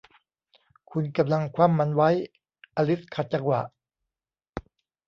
'คุณกำลังคว่ำมันไว้ !' อลิซขัดจังหวะ